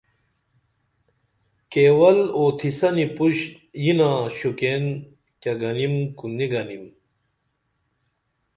کیول اوتھی سنی پُش یینا شوکین کیہ گنیم کو نی گینم